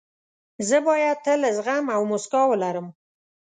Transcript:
زه باید تل زغم او موسکا ولرم.